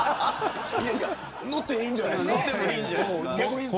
乗っていいんじゃないですか。